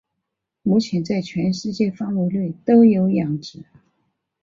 目前在全世界范围内都有养殖。